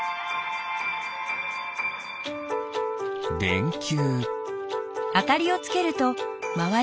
でんきゅう。